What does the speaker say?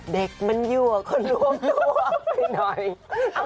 เด็กมันเยื่อกคนน่วมตัว